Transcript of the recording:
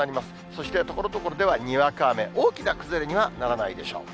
そしてところどころではにわか雨、大きな崩れにはならないでしょう。